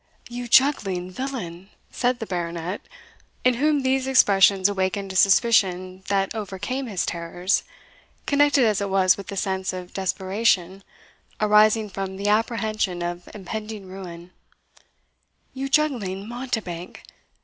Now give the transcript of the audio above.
"You juggling villain!" said the Baronet, in whom these expressions awakened a suspicion that overcame his terrors, connected as it was with the sense of desperation arising from the apprehension of impending ruin "you juggling mountebank!